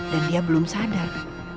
dan dia belum sadar